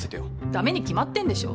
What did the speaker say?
駄目に決まってんでしょ。